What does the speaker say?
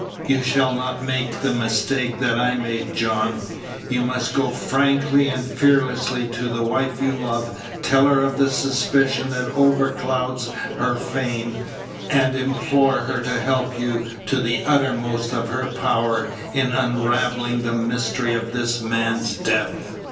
You shall not make the mistake that I made, John. You must go frankly and fearlessly to the wife you love, tell her of the suspicion that overclouds her fame, and implore her to help you to the uttermost of her power in unravelling the mystery of this man's death.